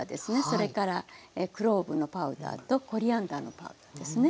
それからクローブのパウダーとコリアンダーのパウダーですね。